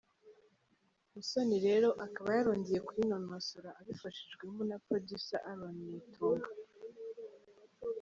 Musoni rero akaba yarongeye kuyinononsora abifashijwemo na Producer Aaron Nitunga.